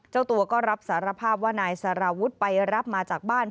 เจ้าตัวก็รับสารภาพว่านายสารวุฒิไปรับมาจากบ้าน